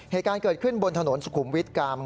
เหตุการณ์เกิดขึ้นบนถนนสุขุมวิทย์กลาง